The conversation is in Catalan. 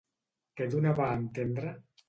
Què donava a entendre?